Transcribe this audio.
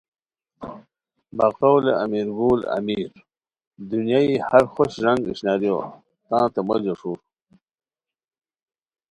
بقولِ امیرگل امیر ؏ دنیائیی ہر خوش رنگ اشناریو تانتے مو جوݰور